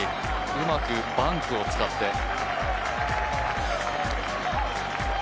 うまくバンクを使って。